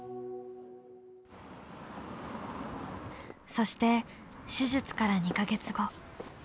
そして手術から２か月後。